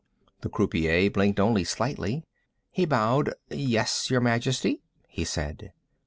The croupier blinked only slightly. He bowed. "Yes, Your Majesty," he said.